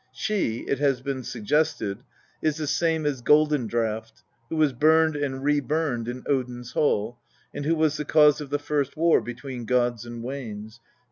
She, it has been suggested, is the same as Golden draught, who was burned and reburned in Odin's hall, and who was the causer of the first war between gods and Wanes (p.